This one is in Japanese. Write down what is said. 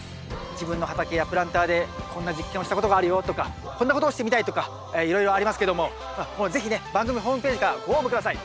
自分の畑やプランターでこんな実験をしたことがあるよとかこんなことをしてみたいとかいろいろありますけどももう是非ね番組ホームページからご応募下さい。